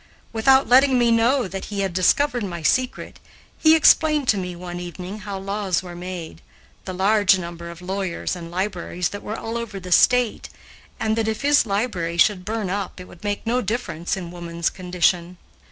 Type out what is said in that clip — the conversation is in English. Without letting me know that he had discovered my secret, he explained to me one evening how laws were made, the large number of lawyers and libraries there were all over the State, and that if his library should burn up it would make no difference in woman's condition.